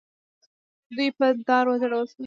دوی په دار وځړول شول.